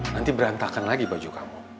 nanti berantakan lagi baju kamu